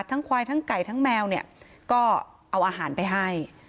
ควายทั้งไก่ทั้งแมวเนี่ยก็เอาอาหารไปให้